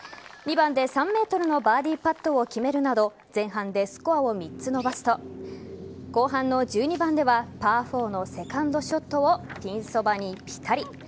２番で３ｍのバーディーパットを決めるなど前半でスコアを３つ伸ばすと後半の１２番ではパー４のセカンドショットをピンそばにピタリ。